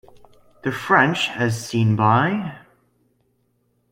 The French as Seen By...